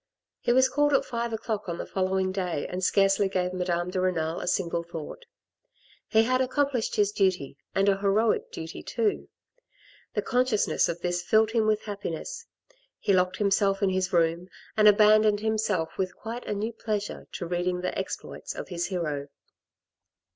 He was called at five o'clockon the following day and scarcely gave Madame de Renal a single thought. He had accomplished his duty, and a heroic duty too. The conciousness of this filled him with happiness ; he locked himself in his room, and abandoned himself with quite a new pleasure to reading exploits of his hero.